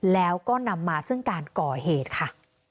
แล้วก็นำมาซึ่งการก่อเหตุค่ะ